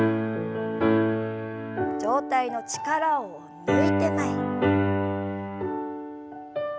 上体の力を抜いて前に。